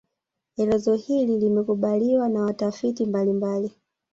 Elezo hili limekubaliwa na watafiti mbalimbali